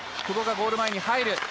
久保がゴール前に入る。